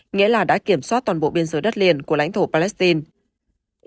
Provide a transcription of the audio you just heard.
nghĩa là đã kiểm soát toàn bộ biên giới đất liền của lãnh thổ palestine